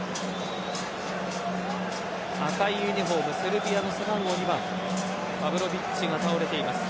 赤いユニホームセルビアの背番号２番パヴロヴィッチが倒れています。